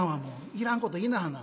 いらんこと言いなはんな。